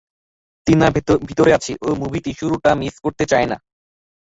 টিনা ভিতরে আছে, ও মুভিটির শুরুটা মিস করতে চায় না।